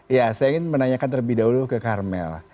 ya saya ingin menanyakan terlebih dahulu ke karmel